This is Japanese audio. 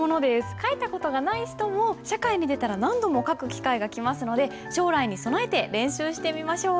書いた事がない人も社会に出たら何度も書く機会が来ますので将来に備えて練習してみましょう。